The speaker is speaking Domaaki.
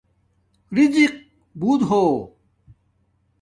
رزِق بوت ہو